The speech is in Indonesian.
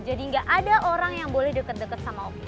jadi enggak ada orang yang boleh deket deket sama oki